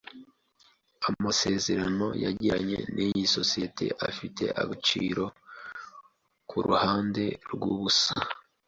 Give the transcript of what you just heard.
Amasezerano yagiranye niyi sosiyete afite agaciro kuruhande rwubusa.